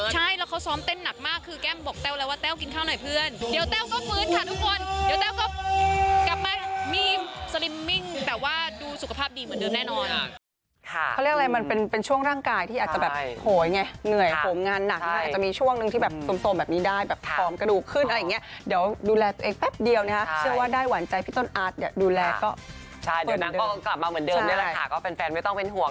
ใช่แล้วเขาซ้อมเต้นหนักมากคือกล้ามบอกแก้วแล้วว่าแก้วกินข้าวกินข้าวหน่อยพี่